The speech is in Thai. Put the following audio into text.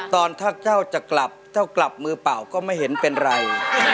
ตอนถ้าเจ้าจะกลับเจ้ากลับมือเปล่าก็ไม่เห็นเป็นไร